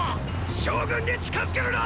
将軍に近づけるな！